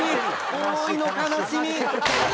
多井の悲しみ！